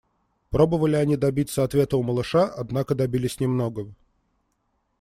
Пробовали они добиться ответа у малыша, однако добились немногого.